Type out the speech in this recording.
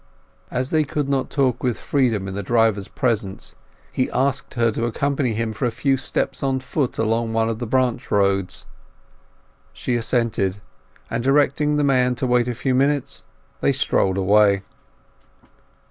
As they could not talk with freedom in the driver's presence he asked her to accompany him for a few steps on foot along one of the branch roads; she assented, and directing the man to wait a few minutes they strolled away.